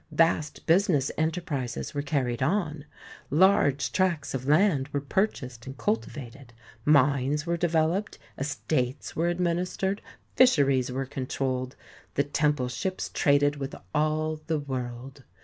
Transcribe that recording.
Vast business enterprises were carried on; large tracts of land were purchased and cultivated ; mines were developed ; estates were administered ; fisheries were controlled ; the temple ships traded with all the world.